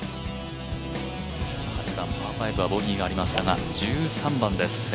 ８番パー５はボギーがありましたが１３番です。